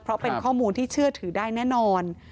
เพราะเป็นข้อมูลที่เชื่อถือได้แน่นอน